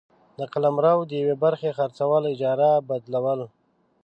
د قلمرو د یوې برخي خرڅول ، اجاره ، بدلول،